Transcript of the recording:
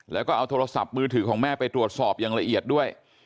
แล้วก็เอาโทรศัพท์มือถือของแม่ไปตรวจสอบอย่างละเอียดด้วย